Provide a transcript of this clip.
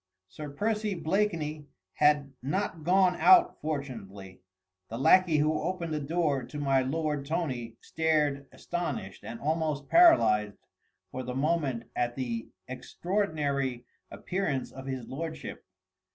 Sir Percy Blakeney had not gone out fortunately: the lacquey who opened the door to my lord Tony stared astonished and almost paralysed for the moment at the extraordinary appearance of his lordship.